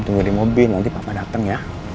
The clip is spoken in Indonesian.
tunggu di mobil nanti papa datang ya